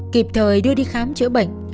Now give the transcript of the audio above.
kịp thời đưa đi khám chữa bệnh